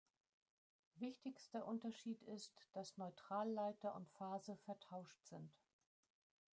Wichtigster Unterschied ist, dass Neutralleiter und Phase vertauscht sind.